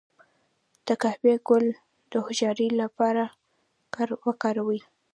د قهوې ګل د هوښیارۍ لپاره وکاروئ